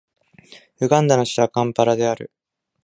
ウガンダの首都はカンパラである